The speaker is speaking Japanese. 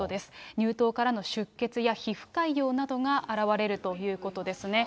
乳頭からの出血や皮膚かいようなどが現れるということですね。